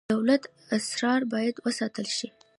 د دولت اسرار باید وساتل شي